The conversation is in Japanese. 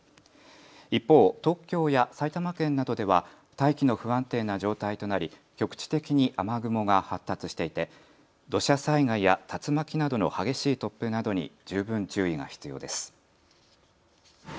一方、東京や埼玉県などでは大気の不安定な状態となり局地的に雨雲が発達していて土砂災害や竜巻などの激しい突風などに十分注意が必要です。